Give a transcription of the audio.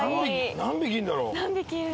何匹いんだろう？